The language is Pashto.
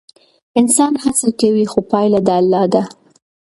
انسان هڅه کوي خو پایله د الله ده.